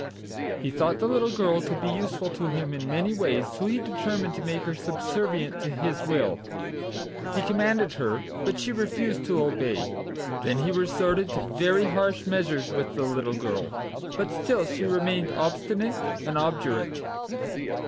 He thought the little girl could be useful to him in many ways so he determined to make her subservient to his will. He commanded her, but she refused to obey, then he resorted to very harsh measures with the little girl, but she still remained obstinate and obdurate.